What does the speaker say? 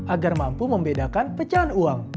agar mampu membedakan pecahan uang